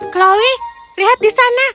chloe lihat di sana